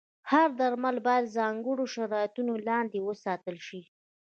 هر درمل باید د ځانګړو شرایطو لاندې وساتل شي.